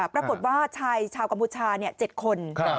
ปรากฏว่าชายชาวกัมพูชา๗คน